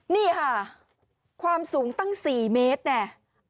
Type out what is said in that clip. นี่ค่ะความสูงตั้ง๔เมตรเนี่ย